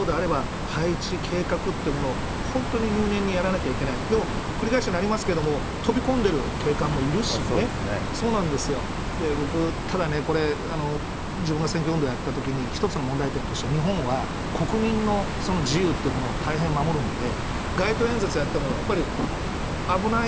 やっぱり警護もね、そうであれば、配置、計画っていうものを本当に入念にやらなきゃいけない、でも繰り返しになりますけれども、飛び込んでる警官もいるしね、そうなんですよ、僕、ただねこれ、自分が選挙運動やったときに、一つの問題点として、日本は国民のその自由っていうものを大変守るんで、